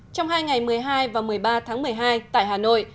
trong hai ngày một mươi hai và một mươi ba tháng một mươi hai tại hà nội